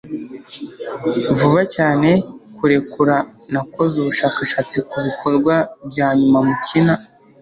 vuba cyane kurekura nakoze ubushakashatsi kubikorwa byanyuma mukina